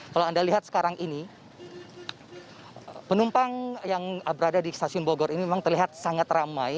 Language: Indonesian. kalau anda lihat sekarang ini penumpang yang berada di stasiun bogor ini memang terlihat sangat ramai